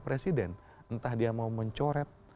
presiden entah dia mau mencoret